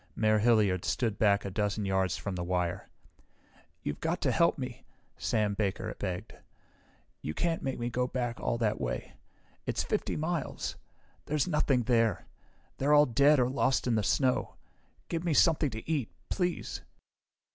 Mayor Hilliard stood back a dozen yards from the wire. "You've got to help me," Sam Baker begged. "You can't make me go back all that way. It's 50 miles. There's nothing there. They're all dead or lost in the snow. Give me something to eat, please..."